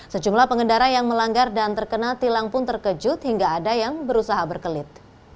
sejumlah pengendara yang melanggar dan terkena tilang pun terkejut hingga ada yang berusaha berkelit